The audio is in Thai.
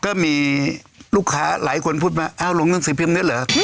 ก็มีลูกค้าหลายคนพูดมาเอ้าลงหนังสือพิมพ์นี้เหรอ